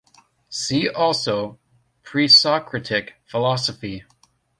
See also: Pre-Socratic philosophy.